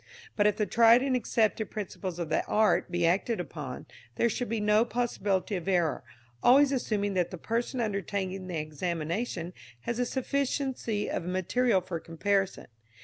But if the tried and accepted principles of the art be acted upon, there should be no possibility of error, always assuming that the person undertaking the examination has a sufficiency of material for comparison.